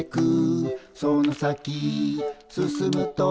「その先進むと」